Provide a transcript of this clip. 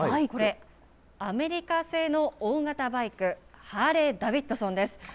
これ、アメリカ製の大型バイク、ハーレーダビッドソンです。